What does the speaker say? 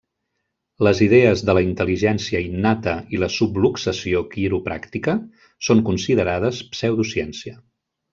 Les idees de la intel·ligència innata i la subluxació quiropràctica són considerades pseudociència.